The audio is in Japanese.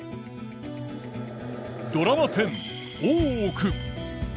ドラマ１０「大奥」。